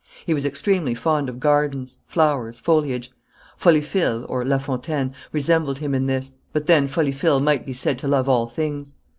He was extremely fond of gardens, flowers, foliage. Polyphile (La Fontaine) resembled him in this; but then Polyphile might be said to love all things.